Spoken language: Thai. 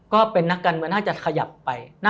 ก็เป็นนักการเมืองน่าจะขยับไป